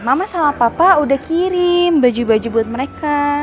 mama sama papa udah kirim baju baju buat mereka